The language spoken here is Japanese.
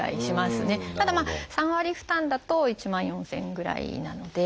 ただ３割負担だと１万４，０００円ぐらいなので。